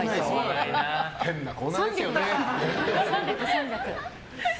変なコーナーですよね。